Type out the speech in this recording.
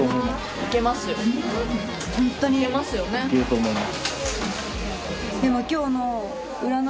行けると思います。